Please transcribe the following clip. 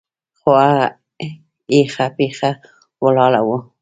خو هغه هيښه پيښه ولاړه وه.